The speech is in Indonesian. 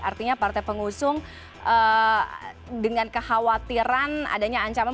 artinya partai pengusung dengan kekhawatiran adanya ancaman